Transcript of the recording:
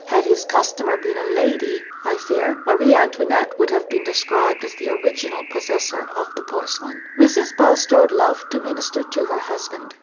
(Had his customer been a lady, I fear Marie Antoinette would have been described as the original possessor of the porcelain.) Mrs. Bulstrode loved to minister to her husband.